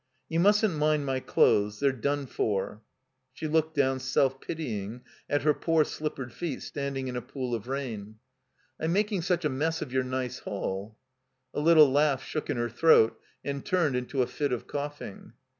"You mustn't mind my dothes. They're done for." She looked down, sdf pitying, at her poor slippered feet standing in a pool of rain. 378 THE COMBINED MAZE ''I'm making such a mess of your nice hall.*' A little laugh shook in her throat and turned into a fit of coughing.